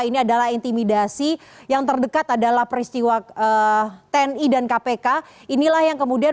ini adalah intimidasi yang terdekat adalah peristiwa tni dan kpk inilah yang kemudian